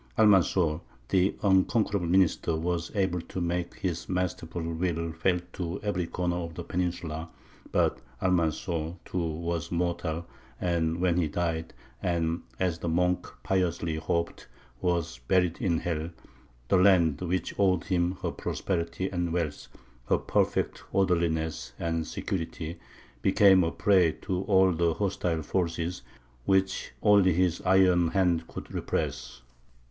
Almanzor, the unconquerable minister, was able to make his masterful will felt to every corner of the peninsula; but Almanzor, too, was mortal, and when he died, and (as the monk piously hoped) "was buried in hell," the land which owed him her prosperity and wealth, her perfect orderliness and security, became a prey to all the hostile forces which only his iron hand could repress.